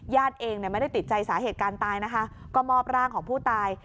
เองไม่ได้ติดใจสาเหตุการณ์ตายนะคะก็มอบร่างของผู้ตาย